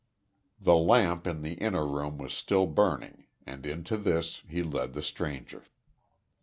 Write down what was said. The lamp in the inner room was still burning, and into this he led the stranger.